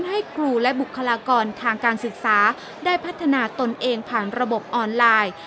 ให้ครูและบุคลากรทางการศึกษาได้พัฒนาตนเองผ่านระบบออนไลน์